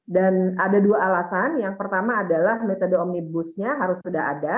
dan ada dua alasan yang pertama adalah metode omnibusnya harus sudah ada